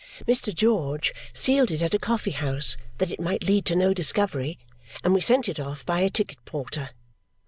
Mr. George sealed it at a coffee house, that it might lead to no discovery, and we sent it off by a ticket porter.